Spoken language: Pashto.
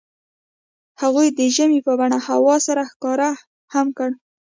هغوی د ژمنې په بڼه هوا سره ښکاره هم کړه.